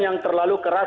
yang terlalu keras